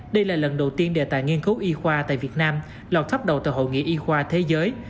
đây là lần đầu tiên đề tài nghiên cứu y khoa tại việt nam lọt thắp đầu tại hội nghị y khoa thế giới